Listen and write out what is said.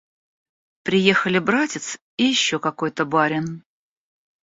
Приехали братец и еще какой-то барин.